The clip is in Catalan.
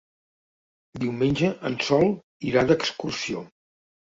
Diumenge en Sol irà d'excursió.